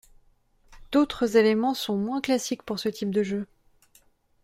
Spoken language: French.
D'autres éléments sont moins classiques pour ce type de jeu.